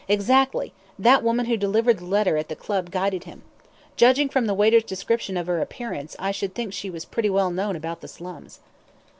"Exactly, that woman who delivered the letter at the Club guided him. Judging from the waiter's description of her appearance, I should think she was pretty well known about the slums."